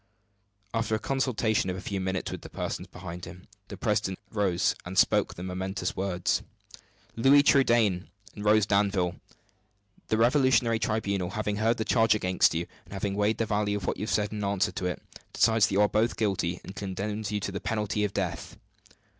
After a consultation of a few minutes with the persons behind him, the president rose, and spoke the momentous words: "Louis Trudaine and Rose Danville, the revolutionary tribunal, having heard the charge against you, and having weighed the value of what you have said in answer to it, decides that you are both guilty, and condemns you to the penalty of death."